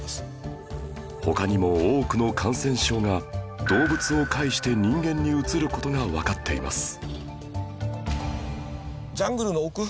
他にも多くの感染症が動物を介して人間にうつる事がわかっています